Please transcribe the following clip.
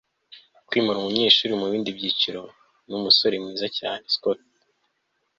kwimura umunyeshuri mubindi byiciro ni umusore mwiza cyane. (scott